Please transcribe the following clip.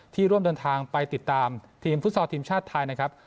ร่วมเดินทางไปติดตามทีมฟุตซอลทีมชาติไทยนะครับ